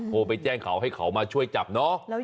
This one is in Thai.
โทรไปแจ้งเขาให้เขามาช่วยจับเนาะ